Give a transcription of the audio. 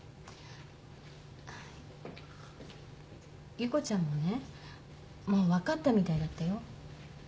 優子ちゃんもねもう分かったみたいだったよ。